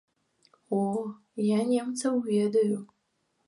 О, я немцаў ведаю.